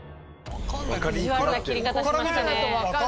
意地悪な切り方しましたね。